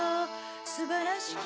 すばらしき